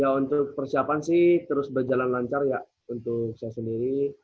ya untuk persiapan sih terus berjalan lancar ya untuk saya sendiri